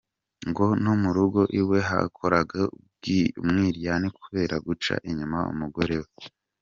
Ngo no mu rugo iwe hahoraga umwiryane kubera guca inyuma umugore we.